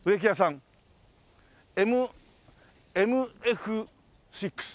Ｍ「ＭＦ６」。